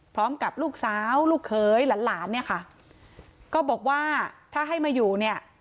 พร้อมกับลูกสาวลูกเขยหลานหลานเนี่ยค่ะก็บอกว่าถ้าให้มาอยู่เนี่ย